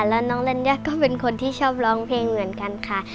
แล้วน้องลัญญาก็เป็นคนที่ชอบร้องเพลงเหมือนกันค่ะ